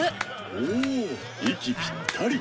おぉ息ぴったり。